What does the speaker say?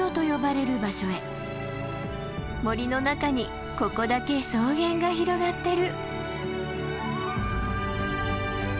森の中にここだけ草原が広がってる。